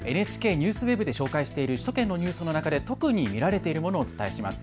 ＮＨＫＮＥＷＳＷＥＢで紹介している首都圏のニュースの中で特に見られているものをお伝えします。